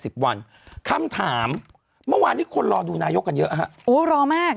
สิบวันคำถามเมื่อวานนี้คนรอดูนายกกันเยอะฮะโอ้รอมาก